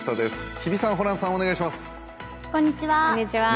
日比さん、ホランさん、お願いします。